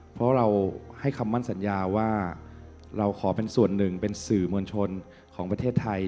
เพราะเราให้คำมั่นสัญญาว่าเราขอเป็นส่วนหนึ่งเป็นสื่อมวลชนของประเทศไทย